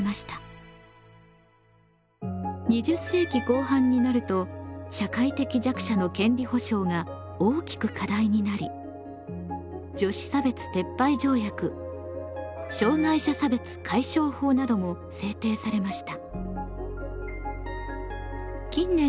２０世紀後半になると社会的弱者の権利保障が大きく課題になり女子差別撤廃条約障害者差別解消法なども制定されました。